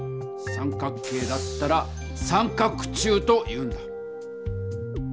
三角形だったら「三角柱」というんだ。